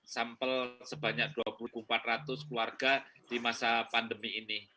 sampel sebanyak dua puluh empat ratus keluarga di masa pandemi ini